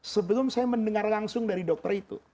sebelum saya mendengar langsung dari dokter itu